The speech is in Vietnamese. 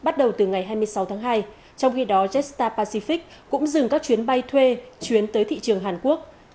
trong khi đó jetstar pacific cũng dừng các chuyến bay thuê chuyến tới thị trường hàn quốc